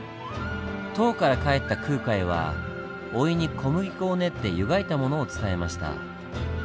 唐から帰った空海は甥に小麦粉を練って湯がいたものを伝えました。